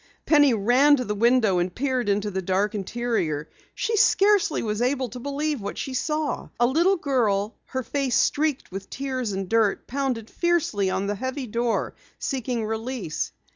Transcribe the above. Penny ran to the window and peered into the dark interior. She scarcely was able to believe what she saw. A little girl, her face streaked with tears and dirt, pounded fiercely on the heavy door, seeking release.